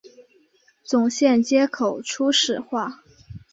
总线接口初始化